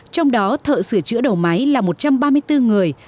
trong đó thợ sửa chữa đầu máy là một trăm ba mươi bốn người